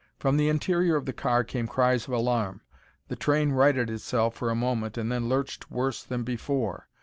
From the interior of the car came cries of alarm. The train righted itself for a moment and then lurched worse than before.